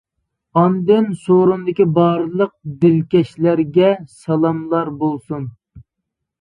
ئاندىن سورۇندىكى بارلىق دىلكەشلەرگە سالاملار بولسۇن!